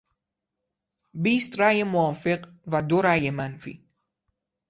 بیست رای موافق و دو رای منفی